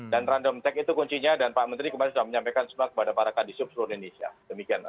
dan random check itu kuncinya dan pak menteri kemarin sudah menyampaikan semua kepada para kandisip seluruh indonesia demikian